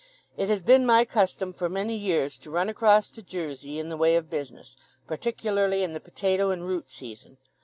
It has been my custom for many years to run across to Jersey in the the way of business, particularly in the potato and root season.